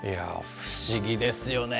不思議ですよね。